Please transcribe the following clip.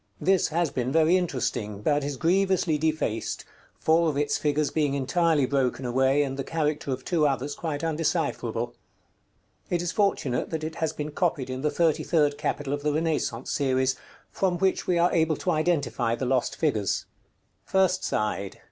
This has been very interesting, but is grievously defaced, four of its figures being entirely broken away, and the character of two others quite undecipherable. It is fortunate that it has been copied in the thirty third capital of the Renaissance series, from which we are able to identify the lost figures. _First side.